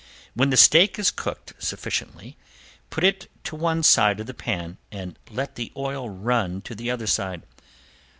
When the steak is cooked sufficiently put it to one side of the pan and let the oil run to the other side.